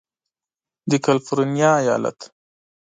د کالفرنیا ایالت